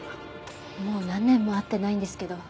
もう何年も会ってないんですけど。